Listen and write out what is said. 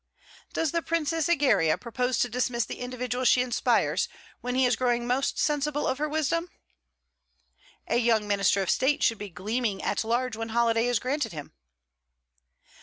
'Does the Princess Egeria propose to dismiss the individual she inspires, when he is growing most sensible of her wisdom?' 'A young Minister of State should be gleaning at large when holiday is granted him.'